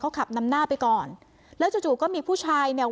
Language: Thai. ขับนำหน้าไปก่อนแล้วจู่จู่ก็มีผู้ชายเนี่ย